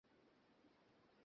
মেরে ফেল তাকে!